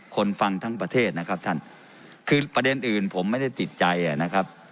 ฟังทั้งประเทศนะครับท่านคือประเด็นอื่นผมไม่ได้ติดใจนะครับ